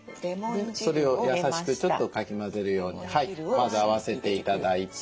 それを優しくちょっとかき混ぜるようにまず合わせて頂いて。